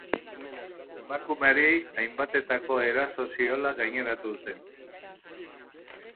Emakumeari hainbatetako eraso ziola gaineratu dute.